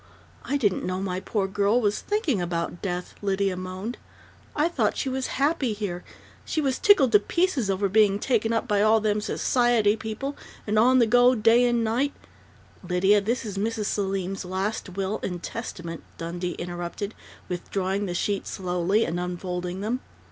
I didn't know my poor girl was thinking about death," Lydia moaned. "I thought she was happy here. She was tickled to pieces over being taken up by all them society people, and on the go day and night " "Lydia, this is Mrs. Selim's last will and testament," Dundee interrupted, withdrawing the sheets slowly and unfolding them.